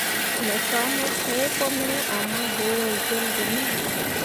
Me fah mo suuko me ama go wai jolle ge me.